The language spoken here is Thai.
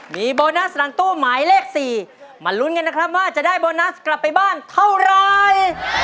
มีโบนัสหลังตู้หมายเลข๔มาลุ้นกันนะครับว่าจะได้โบนัสกลับไปบ้านเท่าไร